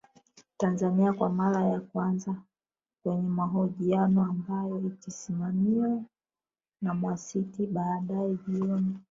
Tanzania kwa mara ya kwanza kwenye mahojiano ambayo ikisimamiwa na Mwasiti Baadae jioni